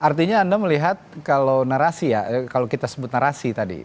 artinya anda melihat kalau narasi ya kalau kita sebut narasi tadi